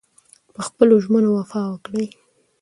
په خپلو ژمنو وفا وکړئ.